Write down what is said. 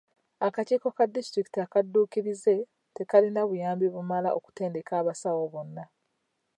Akakiiko ka disitulikiti akadduukirize tekaalina buyambi bumala okutendeka abasawo bonna.